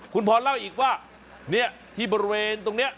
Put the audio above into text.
คุณพรเล่าอีกว่าเนี่ยที่บริเวณตรงนี้